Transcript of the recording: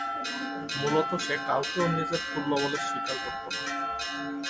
মূলত সে কাউকেও নিজের তুল্য বলে স্বীকার করত না।